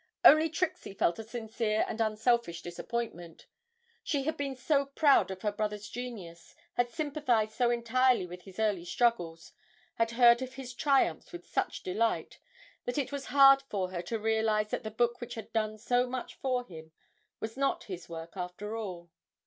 Only Trixie felt a sincere and unselfish disappointment; she had been so proud of her brother's genius, had sympathised so entirely with his early struggles, had heard of his triumphs with such delight, that it was hard for her to realise that the book which had done so much for him was not his work after all.